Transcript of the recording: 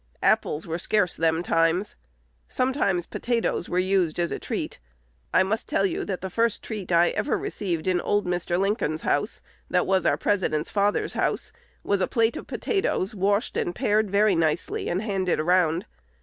Apples were scarce them times. Sometimes potatoes were used as a treat. (I must tell you that the first treat I ever received in old Mr. Linkern's house, that was our President's father's house, was a plate of potatoes, washed and pared very nicely, and handed round.